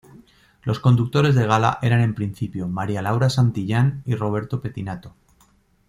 Los conductores de gala eran en principio María Laura Santillán y Roberto Pettinato.